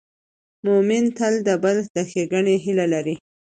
مؤمن تل د بل د ښېګڼې هیله لري.